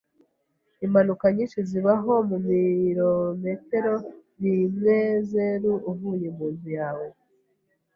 Impanuka nyinshi zibaho mumirometero rimwezeru uvuye munzu yawe.